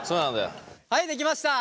はいできました。